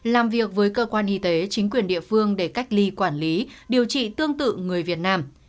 làm việc với cơ quan y tế chính quyền địa phương để cách ly quản lý điều trị tương tự người việt nam